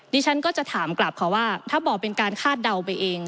ดิฉันก็จะถามกลับค่ะว่าถ้าบอกเป็นการคาดเดาไปเอง